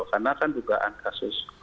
karena kan juga kasus